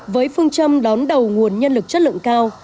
với phương châm đón đầu nguồn nhân lực chất lượng cao